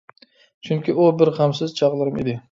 چۈنكى، ئۇ بىر غەمسىز چاغلىرىم ئىدى.